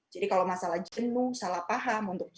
jadi kalau masalah jenuh salah paham